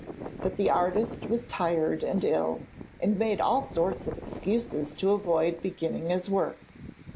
But the artist was tired and ill, and made all sorts of excuses to avoid beginning his work.